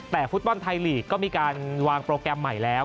แต่ฟุตบอลไทยลีกก็มีการวางโปรแกรมใหม่แล้ว